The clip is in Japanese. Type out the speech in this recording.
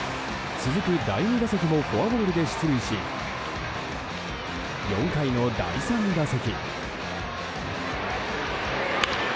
続く第２打席もフォアボールで出塁し４回の第３打席。